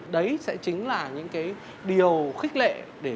đấy sẽ chính là những điều khích lệ